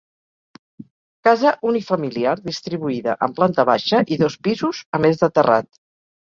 Casa unifamiliar distribuïda en planta baixa i dos pisos a més de terrat.